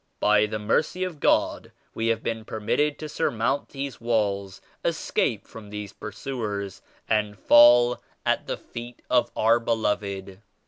By the Mercy of God we have been permitted to sur mount these walls, escape from these pursuers and fall at the feet of our Beloved.